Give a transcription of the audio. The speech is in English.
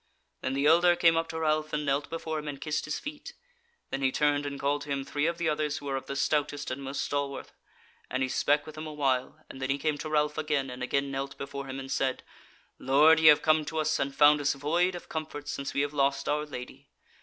Then the elder came up to Ralph and knelt before him and kissed his feet; then he turned and called to him three of the others who were of the stoutest and most stalwarth, and he spake with them awhile, and then he came to Ralph again, and again knelt before him and said: "Lord, ye have come to us, and found us void of comfort, since we have lost our Lady.